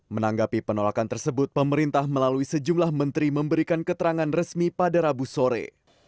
menanggapi penolakan tersebut pemerintah melalui sejumlah menteri memberikan keterangan resmi pada rabu sore